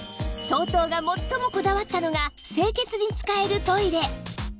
ＴＯＴＯ が最もこだわったのが清潔に使えるトイレ